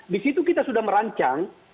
disitu kita sudah merancang